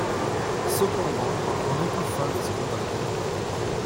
Cependant, on étouffa le scandale.